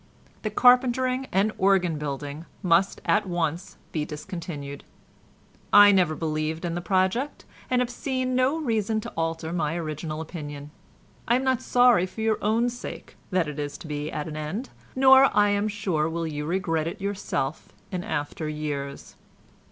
"The carpentering and organ building must at once be discontinued. I never believed in the project, and have seen no reason to alter my original opinion. I am not sorry for your own sake, that it is to be at an end, nor, I am sure, will you regret it yourself in after years.